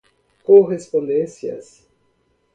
correspondências